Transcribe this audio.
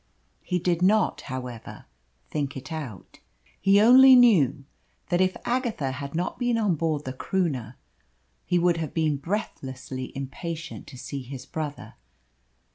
He did not, however, think it out. He only knew that if Agatha had not been on board the Croonah he would have been breathlessly impatient to see his brother.